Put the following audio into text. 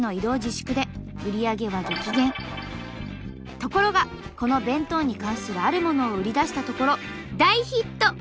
ところがこの弁当に関するあるものを売り出したところ大ヒット！